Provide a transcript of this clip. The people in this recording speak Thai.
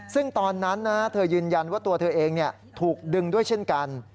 ซึ่งตอนนั้นเธอยืนยันว่าตัวเธอเองถูกดึงด้วยเช่นกัน